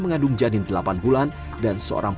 mengandung janin delapan bulan dan seorang